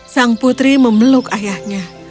sang putri memeluk ayahnya